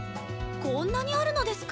こんなにあるのですか？